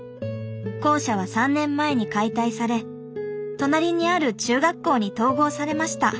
校舎は３年前に解体され隣にある中学校に統合されました。